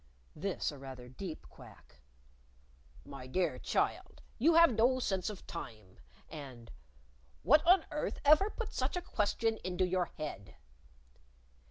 (this a rather deep quack). "My dear child, you have no sense of time!" And, "What on earth ever put such a question into your head!"